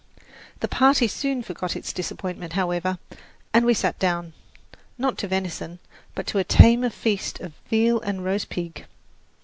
The party soon forgot its disappointment, however, and we sat down, not to venison, but to a tamer feast of veal and roast pig.